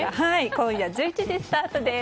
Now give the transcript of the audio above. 今夜１１時スタートです。